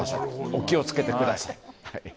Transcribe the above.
お気をつけてください。